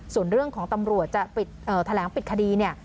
ส่วนเรื่องของตำรวจจะปิดแถลงปิดคดีเนี่ย